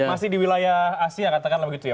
masih di wilayah asia katakanlah begitu ya